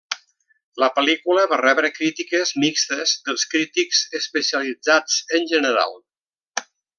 La pel·lícula va rebre crítiques mixtes dels crítics especialitzats en general.